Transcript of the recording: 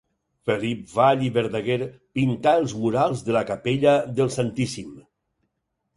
Felip Vall i Verdaguer pintà els murals de la Capella del Santíssim.